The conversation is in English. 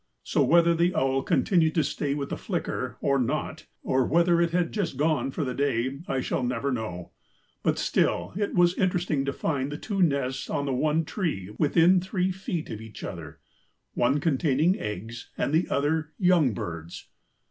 So whether the owl continued to stay with the flicker or not, or whether it had just gone for the day, I shall never know; but still it was interesting to find the two nests on the one tree within three feet of each other, one containing eggs and the other young birds.